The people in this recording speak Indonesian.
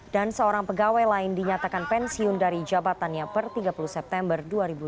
dan seorang pegawai lain dinyatakan pensiun dari jabatannya per tiga puluh september dua ribu dua puluh satu